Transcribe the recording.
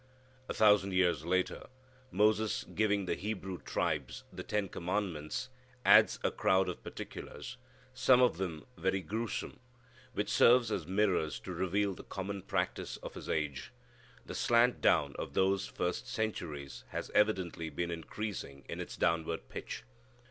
A thousand years later, Moses giving the Hebrew tribes the ten commandments, adds a crowd of particulars, some of them very grewsome, which serve as mirrors to reveal the common practice of his age. The slant down of those first centuries has evidently been increasing in its downward pitch.